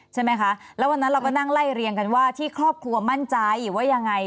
ใช่ไหมคะแล้ววันนั้นเราก็นั่งไล่เรียงกันว่าที่ครอบครัวมั่นใจว่ายังไง